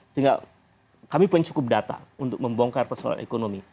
sehingga kami punya cukup data untuk membongkar persoalan ekonomi